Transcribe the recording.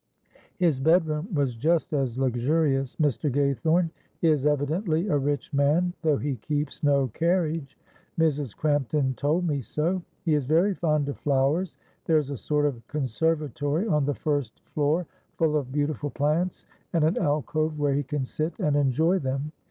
"His bedroom was just as luxurious. Mr. Gaythorne is evidently a rich man, though he keeps no carriage. Mrs. Crampton told me so. He is very fond of flowers; there is a sort of conservatory on the first floor full of beautiful plants, and an alcove where he can sit and enjoy them.